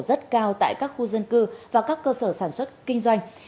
rất cao tại các khu dân cư và các cơ sở sản xuất kinh doanh